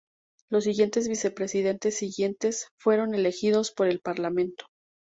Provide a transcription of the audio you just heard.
Los siguientes vicepresidentes siguientes fueron elegidos por el parlamento.